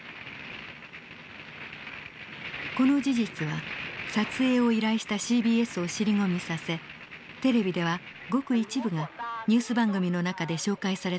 この事実は撮影を依頼したＣＢＳを尻込みさせテレビではごく一部がニュース番組の中で紹介されただけでした。